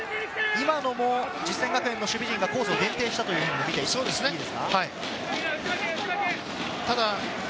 今のも実践学園の守備陣がコースを限定したと言っていいですか？